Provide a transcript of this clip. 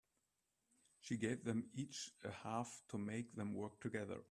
She gave them each a half to make them work together.